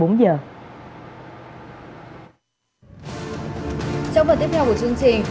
trong phần tiếp theo của chương trình